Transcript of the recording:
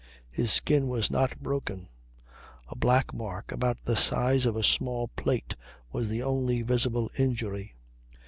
His skin was not broken; a black mark, about the size of a small plate, was the only visible injury.